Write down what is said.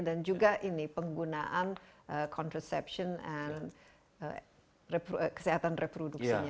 dan juga ini penggunaan contraception and kesehatan reproduksinya